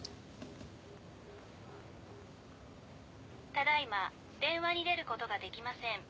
「ただ今電話に出る事ができません」